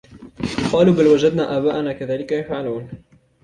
قالوا بل وجدنا آباءنا كذلك يفعلون